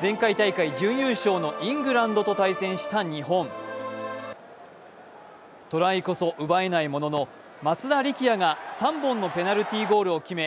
前回大会準優勝のイングランドと対戦した日本トライこそ奪えないものの、松田力也が３本のペナルティーゴールを決め